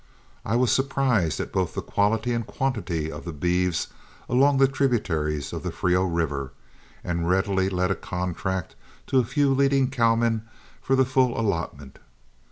I was surprised at both the quality and the quantity of the beeves along the tributaries of the Frio River, and readily let a contract to a few leading cowmen for the full allotment.